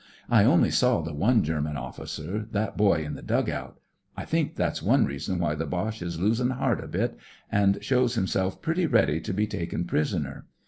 I only saw the one German officer— that boy in the dug out. I think that's one reason why the Boche is losin' heart a bit, an' shows himself pretty ready to be taken prisoner.